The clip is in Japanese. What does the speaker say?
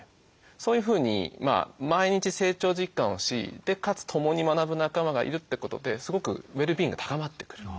そういうふうに毎日成長実感をしかつ共に学ぶ仲間がいるってことですごくウェルビーイングが高まってくる。